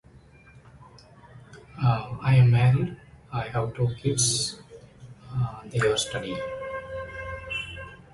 However, he admitted that he knew the ticket contained writing.